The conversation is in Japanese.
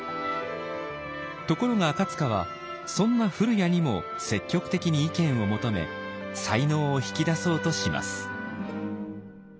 ところが赤はそんな古谷にも積極的に意見を求め才能を引き出そうとします。